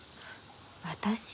私？